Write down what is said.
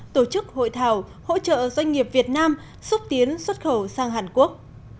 tổ chức hội thảo hỗ trợ doanh nghiệp việt nam xúc tiến xuất khẩu sang hàn quốc